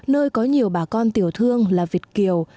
nơi có nhiều bà con tiểu thương là việt kiều